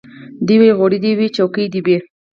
دی وايي غوړي دي وي څوکۍ دي وي